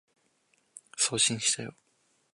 送信したよ